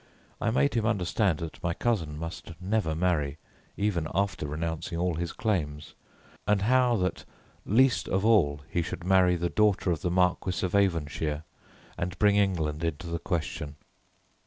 I made him understand that my cousin must never marry, even after renouncing all his claims, and how that least of all he should marry the daughter of the Marquis of Avonshire and bring England into the question.